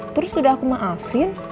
terus udah aku maafin